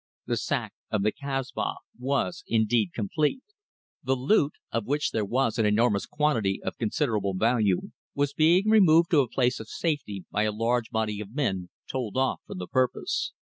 The sack of the Kasbah was indeed complete. The loot, of which there was an enormous quantity of considerable value, was being removed to a place of safety by a large body of men told off for the purpose.